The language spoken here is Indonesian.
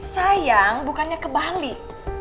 sayang bukannya kebalik